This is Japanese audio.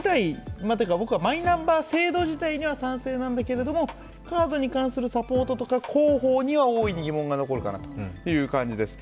マイナンバー制度自体には賛成なんだけれども、サポートとか広報には大いに疑問が残るかなという感じです。